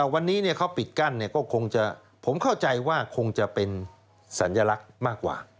วันนี้เขาปิดกั้นก็คงจะผมเข้าใจว่าคงจะเป็นสัญลักษณ์มากกว่า